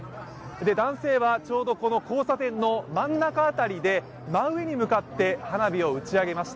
男性はちょうどこの交差点の真ん中辺りで真上に向かって花火を打ち上げました。